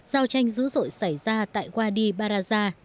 giao tranh dữ dội xảy ra tại wadi barada